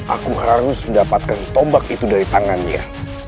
aku harus mendapatkan tombak itu dari tangannya